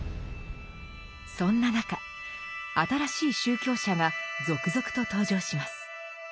そんな中新しい宗教者が続々と登場します。